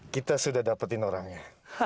kita sudah dapetin orangnya